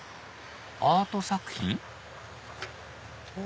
アート作品？